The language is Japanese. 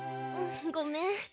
ごめん。